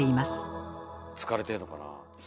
疲れてんのかなあ。